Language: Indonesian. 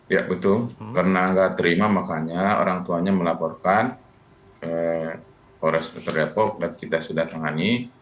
ya betul karena tidak terima makanya orang tuanya melaporkan ke kores kores repok dan kita sudah tangani